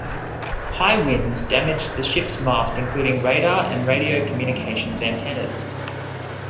High winds damaged the ship's mast including radar and radio communications antennas.